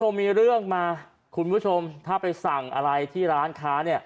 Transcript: พอมีเรื่องมาคุณผู้ชมถ้าไปสั่งอะไรที่ร้านค้าเนี่ย